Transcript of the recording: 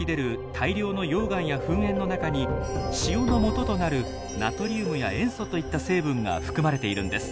大量の溶岩や噴煙の中に塩のもととなるナトリウムや塩素といった成分が含まれているんです。